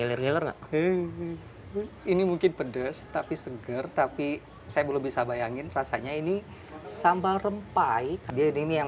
ini mungkin pedes tapi seger tapi saya belum bisa bayangin rasanya ini sambal rempai jadi ini yang